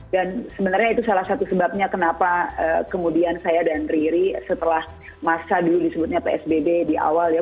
dan sebenarnya itu salah satu sebabnya kenapa kemudian saya dan riri setelah masa dulu disebutnya psbb di awal ya